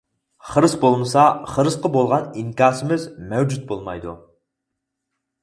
خىرىس بولمىسا، خىرىسقا بولغان ئىنكاسىمىز مەۋجۇت بولمايدۇ.